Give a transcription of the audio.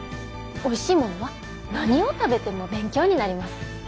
おいしいものは何を食べても勉強になります。